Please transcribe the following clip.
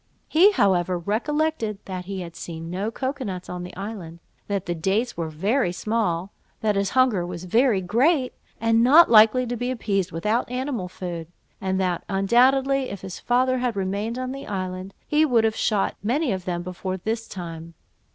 He, however, recollected that he had seen no cocoa nuts on the island, that the dates were very small, that his hunger was very great, and not likely to be appeased without animal food, and that undoubtedly if his father had remained on the island, he would have shot many of them before this time.